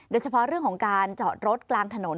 โดยเฉพาะเรื่องของการจอดรถกลางถนน